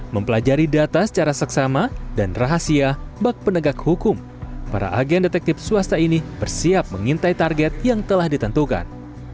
mempelajari data secara seksama dan rahasia bak penegak hukum para agen detektif swasta ini bersiap mengintai target yang telah ditentukan